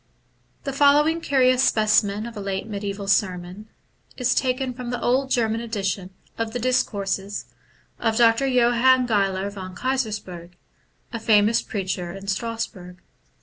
The following curious specimen of a late mediaBval sermon is taken from the old German edition of the discourses of Dr. Johann Geiler von Keysersperg, a famous preacher in Strasbourg.